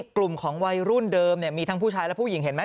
กลุ่มของวัยรุ่นเดิมมีทั้งผู้ชายและผู้หญิงเห็นไหม